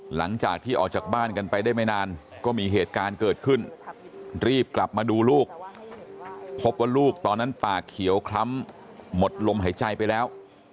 หลังจากที่ออกจากบ้านกันไปได้ไม่นานก็มีเหตุการณ์เกิดขึ้นรีบกลับมาดูลูกพบว่าลูกตอนนั้นปากเขียวคล้ำหมดลมหายใจไปแล้ว